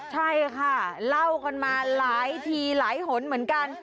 ใช่ค่ะเล่ากันมาหลายทีหลายหนเหมือนกัน